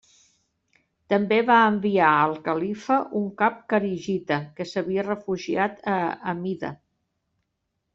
També va enviar al califa un cap kharigita que s'havia refugiat a Amida.